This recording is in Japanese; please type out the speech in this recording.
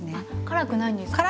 辛くないんですか？